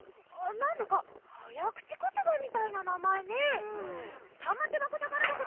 なんだかはやくちことばみたいななまえね。